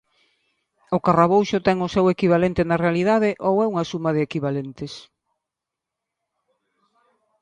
O Carrabouxo ten o seu equivalente na realidade ou é unha suma de equivalentes?